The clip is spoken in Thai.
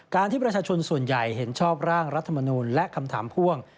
ที่ประชาชนส่วนใหญ่เห็นชอบร่างรัฐมนูลและคำถามพ่วง